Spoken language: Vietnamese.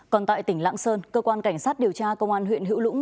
còn tại tỉnh lạng sơn cơ quan cảnh sát điều tra công an huyện hữu lũng